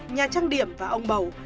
nhà trang điểm và ông bầu